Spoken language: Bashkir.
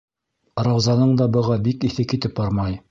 Раузаның да быға бик иҫе китеп бармай.